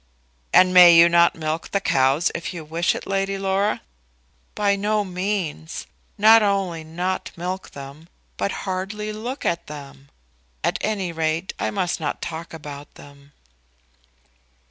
"And may you not milk the cows if you wish it, Lady Laura?" "By no means; not only not milk them, but hardly look at them. At any rate, I must not talk about them."